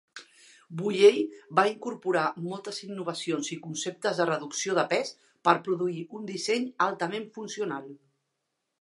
Bulleid va incorporar moltes innovacions i conceptes de reducció de pes per produir un disseny altament funcional.